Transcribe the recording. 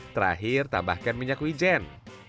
terakhir tambahkan minyak wijen